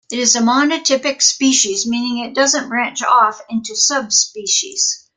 It is a monotypic species, meaning it doesn't branch off into subspecies.